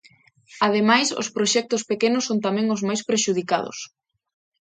Ademais, os proxectos pequenos son tamén os máis prexudicados.